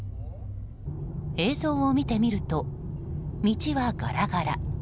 映像を見てみると道はガラガラ。